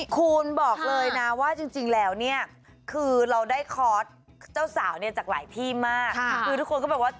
คุณบอกเลยนะว่าจริงแล้วเนี่ยคือเราได้คอร์สเจ้าสาวเนี่ยจากหลายที่มากคือทุกคนก็บอกว่า